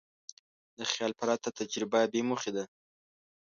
له خیال پرته تجربه بېموخې ده.